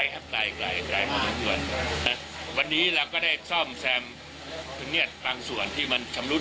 กลายครับวันนี้เราก็ได้ซ่อมแซมพิเษษบางส่วนที่มันชำรุด